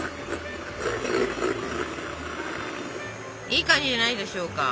いい感じじゃないでしょうか。